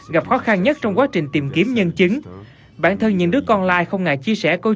đặc biệt nhất trong quá trình tìm kiếm nhân chứng bản thân những đứa con lai không ngại chia sẻ câu